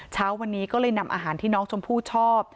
เช้าวันนี้ก็เลยนำอาหารที่น้องชมพู่ชอบ